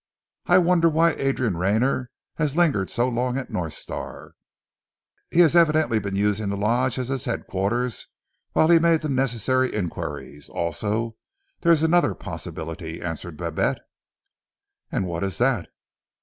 "I wonder why Adrian Rayner has lingered so long at North Star?" "He has evidently been using the Lodge as his headquarters whilst he made the necessary inquiries. Also there is another possibility," answered Babette. "And what is that?"